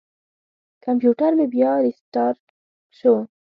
کمپیوټر مې بیا ریستارټ شو.